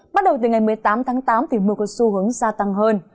bắt đầu từ ngày một mươi tám tháng tám thì mưa có xu hướng gia tăng hơn